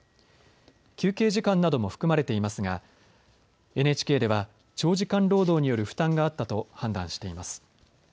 休憩時間なども含まれていますがＮＨＫでは長時間労働による負担があったと判断しています。